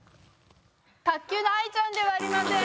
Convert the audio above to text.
卓球の愛ちゃんではありません。